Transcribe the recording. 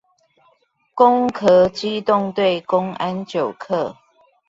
攻殼機動隊公安九課